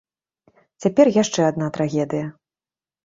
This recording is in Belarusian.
Цяпер яшчэ адна трагедыя.